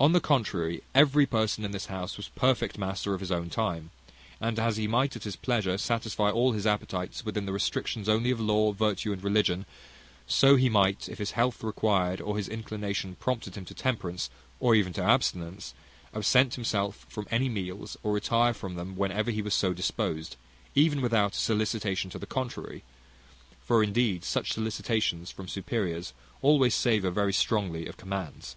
On the contrary, every person in this house was perfect master of his own time: and as he might at his pleasure satisfy all his appetites within the restrictions only of law, virtue, and religion; so he might, if his health required, or his inclination prompted him to temperance, or even to abstinence, absent himself from any meals, or retire from them, whenever he was so disposed, without even a sollicitation to the contrary: for, indeed, such sollicitations from superiors always savour very strongly of commands.